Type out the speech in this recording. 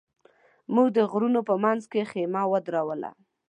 موږ د غرونو په منځ کې خېمه ودروله.